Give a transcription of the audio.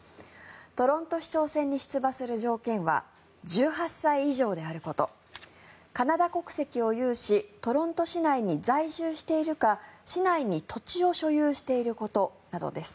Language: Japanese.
トロント市長選に出馬する条件は１８歳以上であることカナダ国籍を有しトロント市内に在住しているか市内に土地を所有していることなどです。